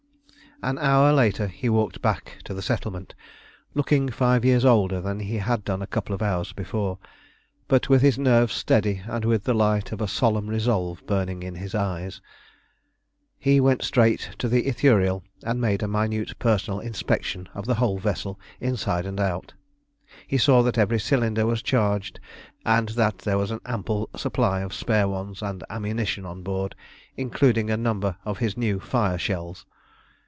An hour later he walked back to the settlement, looking five years older than he had done a couple of hours before, but with his nerves steady and with the light of a solemn resolve burning in his eyes. He went straight to the Ithuriel, and made a minute personal inspection of the whole vessel, inside and out. He saw that every cylinder was charged, and that there was an ample supply of spare ones and ammunition on board, including a number of his new fire shells.